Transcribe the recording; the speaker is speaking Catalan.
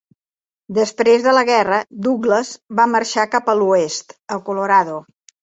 Després de la guerra, Douglas va marxar cap a l'oest, a Colorado.